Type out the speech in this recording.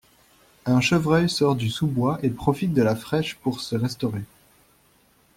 Un chevreuil sort du sous-bois et profite de la fraîche pour se restaurer.